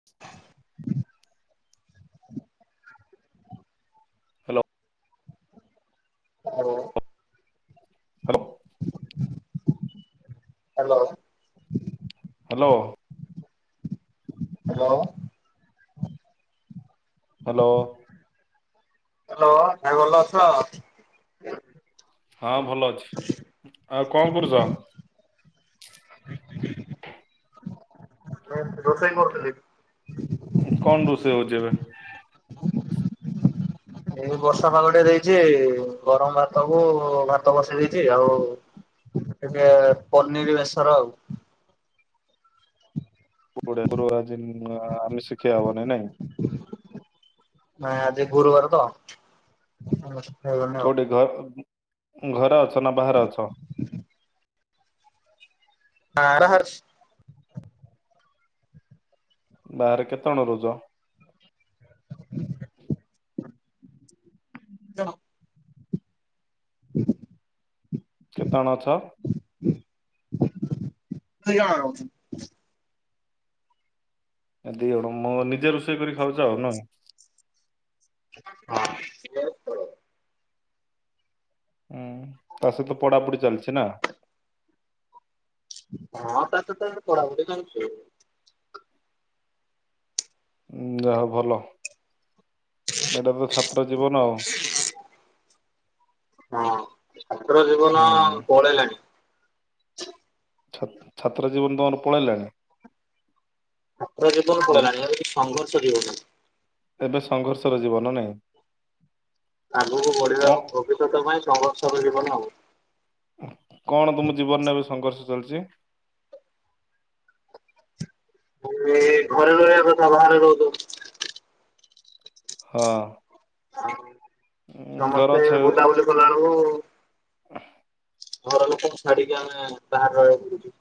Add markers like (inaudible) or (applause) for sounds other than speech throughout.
(unintelligible) Hello. ହଉ। Hello. Hello. Hello. Hello. Hello. Hello ଆଉ ଭାଇ ଭଲ ଅଛ ତ? ହଁ ଭଲ ଅଛି ଆଉ କଣ କରୁଛ? (inaudible) ହଁ ରୋଷେଇ କରୁଥିଲି। କଣ ରୋଷେଇ ହଉଛି ଏବେ? ଏ ବର୍ଷା ପାାଗ ଟେ ଦେଇଛି ଗରମ ଭାତ କୁ ଭାତ ବଷେଇ ଦେଇଚି ଆଉ। ଟିକେ ପନିର୍ ବେସର ଆଉ। ପ ପରୁ ଆଜି ଆମେ ଶିଖିବା ହବନାଇ ନାଇଁ? ନାଇଁ ଆଜି ଗୁରୁବାର ତ? ହେଇଗନି ଆଉ। କୋଉଠି ଘ ଘରେ ଅଛ ନା ବାହାରେ ଅଛ? ଆ ରା ହର୍ଷ ବାହାରେ କେତେଜଣ ରହୁଛ? ଦି ଜଣ। (unintelligible) କେତେଜଣ ଅଛ? ଚାରି ଜଣ। ଦି କଣ ମୁଁ ନିଜେ ରୋଷେଇ କରି ଖାଉଛ ଆଉ ନା? ହଁ। ହୁଁ ତା ସହିତ ଆମର ପଢ଼ାପଢି ଚାଲିଛି ନା? ହଁ ତା ତ ତ ପଢାପଢି ଯାଉଛି ଉଁ ଯାହା ହଉ ଭଲ ଏଇଟା ତ ଛାତ୍ର ଜୀବନ ଆଉ। ହଁ ଛାତ୍ର ଜୀବନ ହୁଁ ପଳେଇଲାଣି। ଛା ଛାତ୍ର ଜୀବନ ତମର ପଳେଇଲା (unintelligible) ଛାତ୍ର ଜୀବନ ପଳେଇଲାଣି ଏ ହଉଛି ସଂଘର୍ଷ ଜୀବନ। ଏବେ ସଂଘର୍ଷର ଜୀବନ ନାଇଁ? ଆଗକୁ କଣ ବଢିବା ଭବିଷ୍ୟତ ପାଇଁ ସଂଘର୍ଷର ଜୀବନ ଆଉ। କଣ ତୁମ ଜୀବନରେ ଏବେ ସଂଘର୍ଷ ଚାଲିଚି। ଏ ଘରେ ରହିବା କଥା ବାହାରେ ରହୁଛୁ। ହଁ। ହ ଉଁ, ଘର ସମସ୍ତେ ଛା ବୁଲାବୁଲି କଲା ବେଳକୁ (unintelligible) ଘର ଲୋକଙ୍କୁ ଛାଡିକି ଆମେ ବାହାରେ ରହିବାକୁ ପଡୁଛି।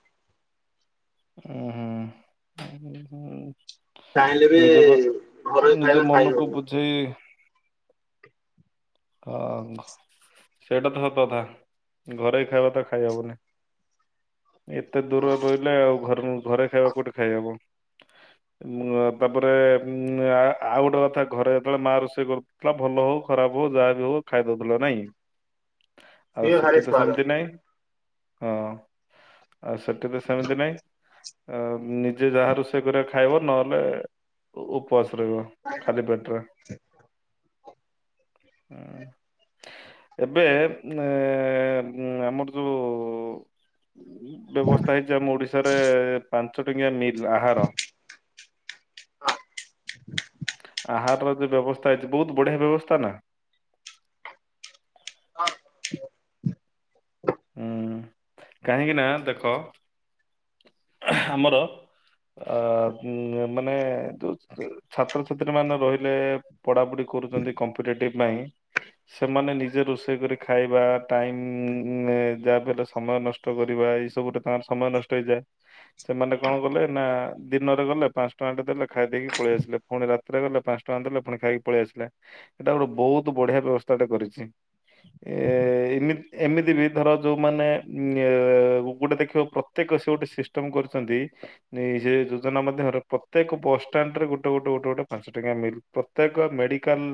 (unintelligible) ଚାହିଁଲେ ବି ନିଜକୁ ଘରୋଇ ନିଜ ଖାଇବା ଖାଇ ମନକୁ ହଉନି ବୁଝେଇ (inaudible) ସେଇଟା ତ ସତ ତଥା ଘରେଇ ଖାଇବା ତ ଖାଇହବନି। ଏତେ ଦୂର ରେ ରହିଲେ ଆଉ ଘର ଘରେ ଖାଇବା କୋଉଠି ଖାଇହବ। ଉ ଆ ତାପରେ ଉଁ ଆ ଆଉ ଗୋଟେ କଥା ଘରେ ଯେତେବେଳେ ମା ରୋଷେଇ କରୁଥିଲା ଭଲ ହଉ ଖରାପ ହଉ ଯାହା ବି ହଉ ଖାଇଦଉ ଥିଲ ନାହିଁ ଆଉ ସିଏ ଭାରି ସେଠି ତ ସ୍ୱାଦ। ସେମିତି ନାଇଁ। ହଁ ଆଉ ସେଠି ତ ସେମିତି ନାଇଁ। ଅ ନିଜେ ଯାହା ରୋଷେଇ କରିବା ଖାଇବ ନହେଲେ ଉପବାସ ରହିବ। ଖାଲି ପେଟରେ। ହଁ ଏବେ ଏ ଆମର ଯୋଉ ବ୍ୟବସ୍ଥା ହେଇଛି ଆମ ଓଡିଶାରେ ପାଞ୍ଚ ଟଙ୍କିଆ ମିଲ୍ ଆହାର ଆହାରର ଯୋ ବ୍ୟବସ୍ଥା ଇଛି ବହୁତ ବଢିଆ ବ୍ୟବସ୍ଥା ନା। (inaudible) ଉଉଁ କାହିଁକି ନା ଦେଖ ଆମର ଅ ଉ ମାନେ ତୋ ତୋ ଯୋଉ ଛାତ୍ରଛାତ୍ରୀ ମାନେ ରହିଲେ ପଢ଼ାପଢ଼ି କରୁଛନ୍ତି କମ୍ପିଟେଟିଭ୍ ପାଇଁ ସେମାନେ ନିଜେ ରୋଷେଇ କରି ଖାଇବା ଟାଇମ୍ ଉ ଉ ନେ ଯାହା ଫଲେ ସମୟ ନଷ୍ଟ କରିବା ଏଇ ସବୁରେ ତାଙ୍କର ସମୟ ନଷ୍ଟ ହେଇଯାଏ। ସେମାନେ କଣ କଲେ ନା ଦିନରେ ଗଲେ ପାଂସ ଟଙ୍କାଟେ ଦେଲେ ଖାଇ ଦେଇକି ପଳେଇ ଆସିଲେ। ପୁଣି ରାତିରେ ଗଲେ ପାଂସ ଟଙ୍କା ଦେଲେ ପୁଣି ଖାଇକି ପଳେଇ ଆସିଲେ। ଏଟା ଗୋଟେ ବହୁତ ବଢିଆ ବ୍ୟବସ୍ଥା ଏଟା କରିଛି ଏ ଏମତି ଏମିତି ତି ବି ଧର ଯୋଉମାନେଉ ଗୋଟେ ଦେଖିବ ପ୍ରତ୍ୟେକ ସେ ଗୋଟେ ସିଷ୍ଟମ କରିଚନ୍ତି ନେ ଇ ସେ ଯୋଜନା ମଧ୍ୟ ହର ପ୍ରତ୍ୟେକ ବସ ଷ୍ଟାଣ୍ଡ ରେ ଗୋଟେ ଗୋଟେ ଗୋଟେ ଗୋଟେ ପାଂସ ଟଙ୍କିଆ ମିଲ୍ ପ୍ରତ୍ୟେକ ମେଡିକାଲ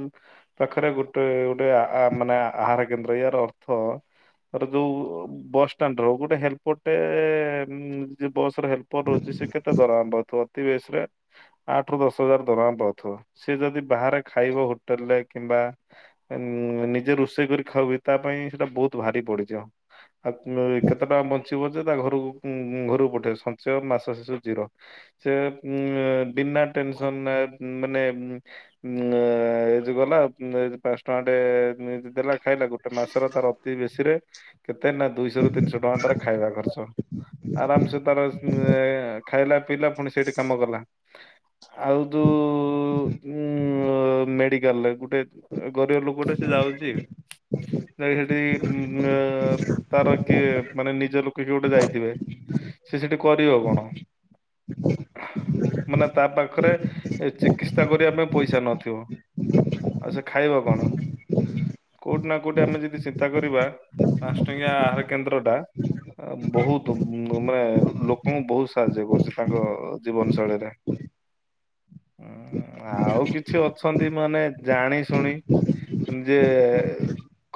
ପାଖରେ ଗୋଟେ ଗୋଟେ ଆ ଆ ମାନେ ଆହାର କେନ୍ଦ୍ର ଇଆର ଅର୍ଥ ଧର ଯୋଉ ବାସଷ୍ଟାଣ୍ଡ ର ଗୋଟେ ହେଲପର ଟେ ଯ ବସ ରେ ହେଲପର ରହୁଛି ସେ କେତେ ଦରମା ପାଉଥିବ? ଅତିବେଶି ରେ ଆଠ ରୁ ଦଶ ହଜାର ଦରମା ପାଉଥିବ। ସେ ଯଦି ବାହାରେ ଖାଇବ ହୋଟେଲ ରେ କିମ୍ବା ଅ ନିଜେ ରୋଷେଇ କରି ଖାଉବି ତା ପାଇଁ ସେଟା ବହୁତ ଭାରି ପଡିଯିବ। ଆ ପୁ କେତେ ଟଙ୍କା ବଞ୍ଚ ଥିବ ଯେ ତା ଉଁ ଉଁ ଘରକୁ ଘରକୁ ପଠେଇ ସଞ୍ଚୟ ମାସ ଶେଷ କୁ ଜିରୋ। ସେ ଉ ବିନା ଟେନସନ ନା ଉ ମାନେ ଉ ଉଁ ଏ ଯୁ ଗଲା ଏ ପାନ୍ସ ଟଙ୍କା ଟେ ଏ ଦେଲା ଖାଇଲା ଗୋଟେ ମାସର ତାର ଅତି ବେଶୀ ରେ କେତେ ନା ଦୁଇଶହ ରୁ ତିନିଶହ ଟଙ୍କା ତାର ଖାଇବା ଖର୍ଚ୍ଚ। ଆରାମ ସେ ତାର ଉ ଖାଇଲା ପିଇଲା ପୁଣି ସେଇଠି କାମ କଲା। ଆଉ ଯୋଉ ଉ ମେଡିକାଲରେ ଗୋଟେ ଏ ଗରିବ ଲୋକଟେ ସେ ଯାଉଛି ଯାଇକି ସେଠି ଉ ଉ ତାର କିଏ ମାନେ ନିଜ ଲୋକ କିଏ ଗୋଟେ ଯାଇଥିବେ ସେ ସେଠି କରିବ କଣ। (inaudible) ମାନେ ତା ପାଖରେ ଏ ଚିକିତ୍ସା କରିବା ପାଇଁ ପଇସା ନଥିବ। ଆଉ ସେ ଖାଇବ କଣ କୋଉଠି ନା କୋଉଠି ଆମେ ଯଦି ଚିନ୍ତା କରିବା। ପାନ୍ସ ଟଙ୍କିଆ ଆହାର କେନ୍ଦ୍ର ଟା ଆ ବହୁତ ଉ ବୂ ମାନେ ଲୋକଙ୍କୁ ବହୁତ ସାହାଯ୍ୟ କରୁଛି ତାଙ୍କ ଜୀବନ ଶୈଳୀରେ। ଉ ଆଉ କିଛି ଅଛନ୍ତି ମାନେ ଜାଣି ଶୁଣି ଯେ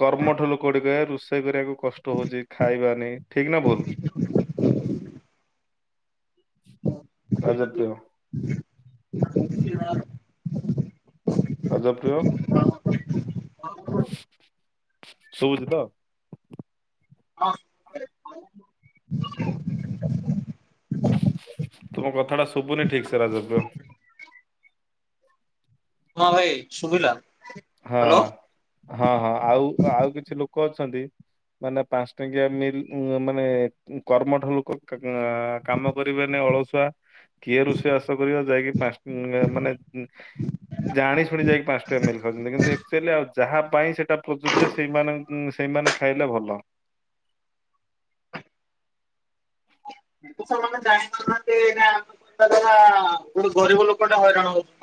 କର୍ମଠୁ ଲୋକ ଗୁଡ଼ିକ (unintelligible) ରୋଷେଇ କରିବାକୁ କଷ୍ଟ ହଉଛି ଖାଇବାନି ଠିକ ନା ଭୁଲ? ରାଜ ହଁ (unintelligible) ରାଜାପ୍ରିୟ ସୁବୁଛି ତ? ହଁ ତୁମ କଥା ଟା ଶୁଭୁନି ଠିକ ସେ ରାଜପ୍ରିୟ। ହଁ ଭାଇ ସୁୁଭିଲା? ହଁ ହଁ ହଁ ଆଉ ଆଉ କିଛି ଲୋକ ଅଛନ୍ତି। ମାନେ ପାଞ୍ଚ ଟଙ୍କିଆ ମିଲ୍ ମାନେ କର୍ମଠ ଲୋକ କାମ କରିବେନି ଅଳସୁଆ କିଏ ରୋଷେଇ ବାଷ କରିବ ଯାଇକି ମାନେ ଜାଣି ଶୁଣି ଯାଇକି ପାଞ୍ଚ ଟଙ୍କିଆ ମିଲ ଖାଉଛନ୍ତି କିନ୍ତୁ ଆକୁଚେଲି ଆଉ ଯାହା ପାଇଁ ସେଇଟା ପ୍ରଯୁଜ୍ୟ ସେ ସେଇମାନେ ଖାଇଲେ ଭଲ। ସେମାନେ ଜାଣିପାରୁନାହାନ୍ତି ନା ଆମ ଯାହା ଗୋଟେ ଗରିବ ଲୋକଟେ ହଇରାଣ ହଉଛି।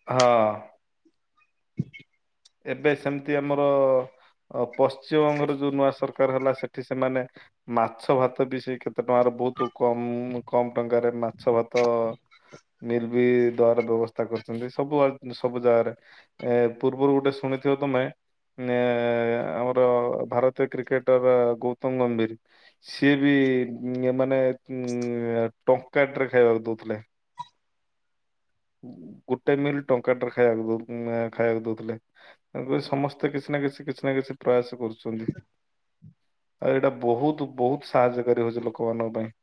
ହଁ। ଏବେ ସେମିତି ଆମର ପଶ୍ଚିମବଙ୍ଗର ଯୋଉ ନୂଆ ସରକାର ହେଲା ସେ ଠି ସେମାନେ ମାଛ ଭାତ ବି ସେ କେତେ ଟଙ୍କାର ବହୁତ କମ କମ ଟଙ୍କାରେ ମାଛ ଭାତ ମିଲ୍ ବି ଦବାର ବ୍ୟବସ୍ଥା କରିଛନ୍ତି ସବୁ ସବୁ ଜାଗାରେ ଏ ପୂର୍ବରୁ ଗୋଟେ ଶୁଣିଥିବ ତମେ ଆମର ଭାରତୀୟ କ୍ରିକେଟର ଗୌତମ ଗମ୍ଭୀର ସିଏ ବି ମାନେ ଉ ଟଙ୍କାଟେ ରେ ଖାଇବାକୁ ଦଉଥିଲେ। ଗୋଟେ ମିଲ୍ ଟଙ୍କାଟର ଖାଇବାକୁ ଖାଇବାକୁ ଦଉଥିଲେ। ତା ସମସ୍ତେ କିଛି ନା କିଛି କିଛି ନା କିଛି ପ୍ରୟାସ କରୁଛନ୍ତି। ଆଉ ଏଇଟା ବହୁତ ବହୁତ ସାହାଯ୍ୟକାରୀ ହଉଛି ଲୋକମାନଙ୍କ ପାଇଁ।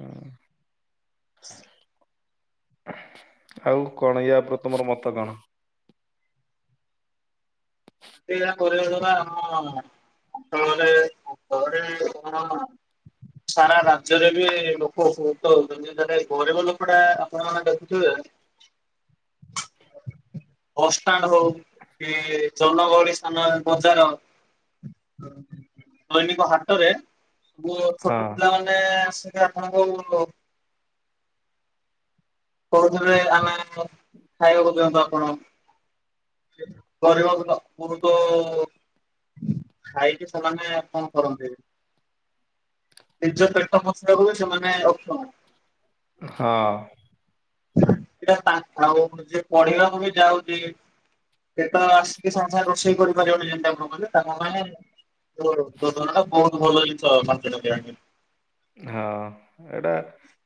ଉଁ। ଆଉ କଣ ୟା ଉପରେ ତମର ମତ କଣ? କରିବା ଦ୍ୱାରା ଆମର ପୁଅ ମାନେ କଣ ସାରା ରାଜ୍ୟରେ ବି ଲୋକ ଉପଭୃତ ହଉଛନ୍ତି ଗରିବ ଲୋକ ଟା ଆପଣମାନେ ଦେଖୁଥିବେ ବସ ଷ୍ଟାଣ୍ଡ ହଉ କି ଜନଗହଳି ସ୍ଥାନ ବଜାର ଦୈନିକ ହାଟରେ ହଁ ଛୋଟ ପିଲାମାନେ ଆସିଲେ ଆପଣଙ୍କୁ କହୁରେ ଆମେ ଖାଇବାକୁ ଦିଅନ୍ତୁ ଆପଣଙ୍କୁ। କରିବାକୁ (unintelligible) ଖାଇକି ସେମାନେ ଆଉ କଣ କରନ୍ତି? ନିଜ ପେଟ ପୋଷିବାକୁ ବି ସେମାନେ ଅକ୍ଷମ। ହଁ ସେଟା ସେ ପଢିବାକୁ ବି ଯାଉଛି। ସେଟା ଆସିକି ସାଙ୍ଗେ ସାଙ୍ଗେ ରୋଷେଇ କରିପାରିବନି ଯେମତି ଆପଣ କଲେ ତାଙ୍କ ମାନେ ବହୁତ ଭଲ ଜିନିଷ (unintelligible) ହଁ ଏଇଟା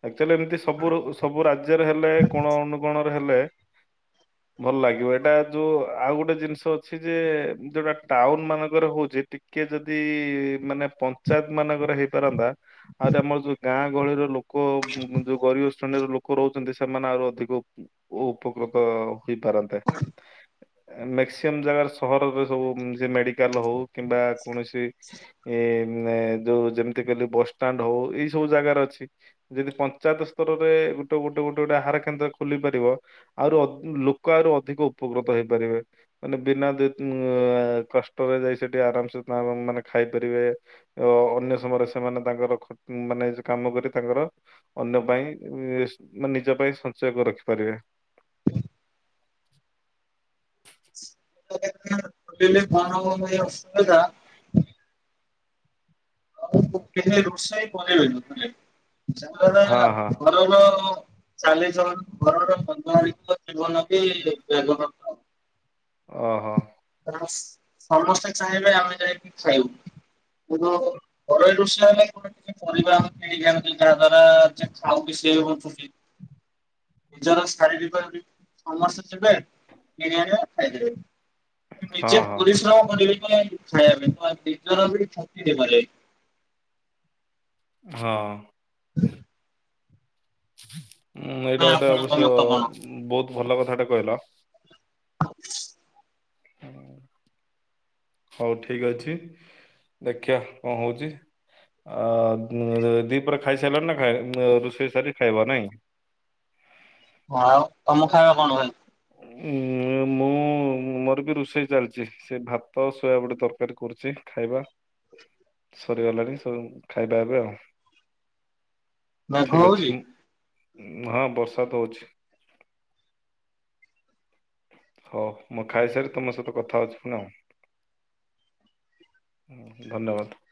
ଆକ୍ଚୁଆଲି ଏମିତି ସବୁ ସବୁ ରାଜ୍ୟରେ ହେଲେ କୋଣ ଅନୁକୋଣ ହେଲେ ଭଲ ଲାଗିବ ଏଇଟା ଯୋଉଁ ଆଉ ଗୋଟେ ଜିନିଷ ଅଛି ଯେ ଯୋଉଁଟା ଟାଉନ ମାନଙ୍କରେ ହଉଛି କିଏ ଯଦି ମାନେ ପଞ୍ଚାୟତ ମାନଙ୍କରେ ହେଇପାରନ୍ତା ଆହୁରି ଆମର ଯୋଉ ଗାଁ ଗହଳିର ଲୋକ ଯୋଉ ଗରିବ ଶ୍ରେଣୀର ଲୋକ ରହୁଛନ୍ତି ସେମାନେ ଆହୁରି ଅଧିକ ଉ ଓ ଉପକୃତ। ହୋଇପାରନ୍ତେ ମ୍ୟାକ୍ସିମମ୍ ଜାଗାରେ ସହରରେ ସବୁ ସେ ମେଡିକାଲ ହଉ। କିମ୍ବା କୌଣସି ଏ ଏଁ ଯୋଉ ଯେମିତି କହିଲି ବସ୍। ଷ୍ଟାଣ୍ଡ ହଉ ଏଇ ସବୁ ଜାଗାରେ ଅଛି। ଯଦି ପଞ୍ଚାୟତ ସ୍ତରରେ ଗୋଟେ ଗୋଟେ ଗୋଟେ ଗୋଟେ ଆହାର କେନ୍ଦ୍ର ଖୋଲି ପାରିବ। ଆହୁରୁ ଅ ଲୋକ ଆହୁରି ଅଧିକ ଉପକୃତ ହେଇପାରିବେ। ମାନେ ବିନା ଦେତ ଆ କଷ୍ଟରେ ଯାଇ ସେଠି ଆରାମ ସେ ତାଙ୍କର ମାନେ ଖାଇପାରିବେ। ଓ ଅନ୍ୟ ସମୟରେ ସେମାନେ ତାଙ୍କର ଖ ମାନେ କାମ କରି ତାଙ୍କର। ଅନ୍ୟ ପାଇଁ ଏସ୍ ମାନେ ନିଜ ପାଇଁ ସଞ୍ଚୟ ରଖିପାରିବେ। (unintelligible) ହଁ ହଁ (unintelligible) (unintelligible) ଓହୋ। କାରଣ ସମସ୍ତେ ଚାହିଁଲେ ଆମେ ଯାଇକି ଖାଇବୁ କିନ୍ତୁ। ଘରୋଇ ରୋଷେଇ ହେଲେ କଣ କି ପରିବା ଆମେ କିଣ ଆଣୁ ଛେ ଯାହା ଦ୍ଵାରା ଯିଏ ଖାଉଟି କି ସିଏ ବି ବଞ୍ଚୁଛି। ନିଜର ଶାରୀରିକ ଯଦି ସମସ୍ତେ ଥିବେ କିଣି ଆଣିବେ ଖାଇଦେବେ। କିନ୍ତୁ ହଁ ନିଜେ ହଁ ପରିଶ୍ରମ କରିବେ କଁ ପାଇଁ ଖାଇବା ପାଇଁ ନିଜର ବି ଠକି ଦେଇପାରିବେ। ହଁ। ହୁଁ? ଉଁ ନା ଏଇଟା ଗୋଟେ ଆପଣଙ୍କ ଅବଶ୍ୟ ମତ କଣ? ବହୁତ ଭଲ କଥାଟେ କହିଲ। ହୁଁ। ହଉ ଠିକ ଅଛି ଦେଖିବା କଁ ହଉଛି ଆ ଉଁ ଦିପହ ରେ ‌ଖାଇ ସାରିଲଣି ନା ଖାଇ ଉଁ ରୋଷେଇ ସାରି ଖାଇବ ନାଇଁ। ହଁ ତମ ଖାଇବା କଣ ହୁଏ? ଉଁ ଏ ମୁଁ ମୋର ବି ରୋଷେଇ ଚାଲିଛି ସେଇ ଭାତ ଶୋୟ ଗୋଟେ ତରକାରୀ କରୁଛି ଖାଇବା। ସରିଗଲାଣି ସବୁ ଖାଇବା ଏବେ ଆଉ। ମେଘ ଠିକ ଅଛି ହଉଚି? ମୁଁ ହଁ ବର୍ଷା ତ ହଉଛି। ହଉ ମୁଁ ଖାଇସାରି ତମ ସହିତ। କଥା ହଉଛି ପୁଣି ହୁଁ ଧନ୍ୟବାଦ।